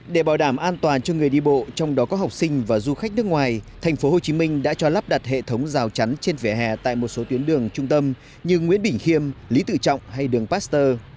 để bảo đảm an toàn cho người đi bộ trong đó có học sinh và du khách nước ngoài tp hcm đã cho lắp đặt hệ thống rào chắn trên vỉa hè tại một số tuyến đường trung tâm như nguyễn bình khiêm lý tự trọng hay đường pasteur